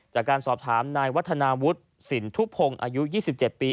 จากการสอบถามนายวัฒนาวุฒิสินทุพงศ์อายุ๒๗ปี